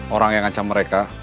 orang yang ngancam mereka